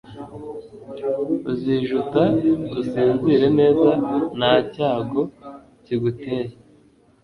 uzijuta, usinzire neza, nta cyago kiguteye